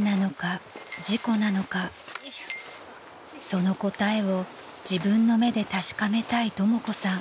［その答えを自分の目で確かめたいとも子さん］